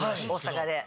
大阪で。